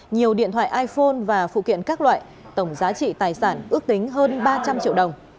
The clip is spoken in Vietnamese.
nhiều điện thoại iphone và phụ kiện các loại tổng giá trị tài sản ước tính hơn ba trăm linh triệu đồng